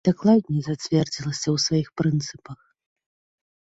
Дакладней, зацвердзілася ў сваіх прынцыпах.